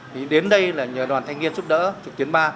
thì đến đây là nhờ đoàn thanh niên giúp đỡ trực tuyến ba